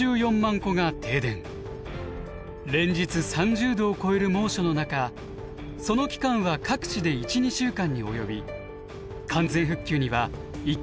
連日３０度を超える猛暑の中その期間は各地で１２週間に及び完全復旧には１か月以上を要しました。